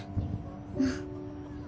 うん。